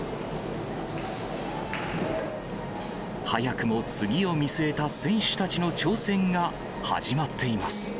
早くも次を見据えた選手たちの挑戦が始まっています。